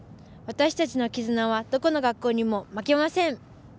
私たちの絆はどこの学校にも負けません。